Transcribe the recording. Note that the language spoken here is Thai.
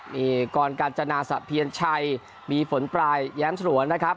มีกรกาญจนาสะเพียรชัยมีฝนปลายแย้มฉลวนนะครับ